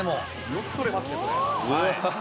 よくとれますね、これ。